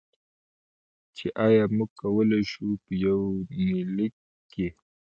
چې ایا موږ کولی شو، په یونلیک کې.